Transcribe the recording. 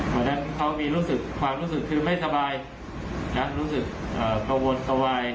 เพราะฉะนั้นเขามีรู้สึกความรู้สึกคือไม่สบายรู้สึกกระวนกระวาย